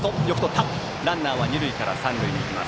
ランナーは二塁から三塁へ。